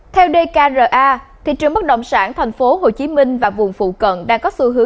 theo dkra thị trường bất động sản tp hcm và vùng phụ cận